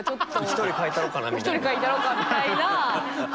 １人描いたろうかみたいなことなのか。